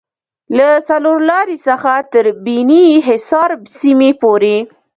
له څلورلارې څخه تر بیني حصار سیمې پورې